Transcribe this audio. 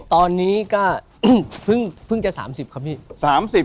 ตอนนี้ก็เพิ่งจะ๓๐ครับพี่